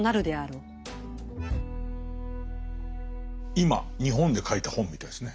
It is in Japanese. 今日本で書いた本みたいですね。